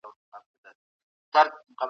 د غوښې قېمه باید په دوو ورځو کې پخه شي.